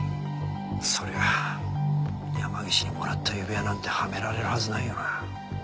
そりゃあ山岸にもらった指輪なんてはめられるはずないよな。